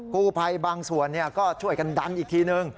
กู้ภัยบางส่วนก็ช่วยกันดันอีกทีนึง